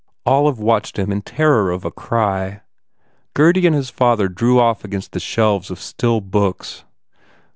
Olive watched him in terror of a cry. Gurdy and his father drew off against the shelves of still books.